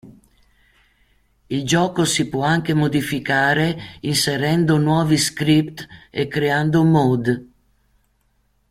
Il gioco si può anche modificare inserendo nuovi script e creando mod.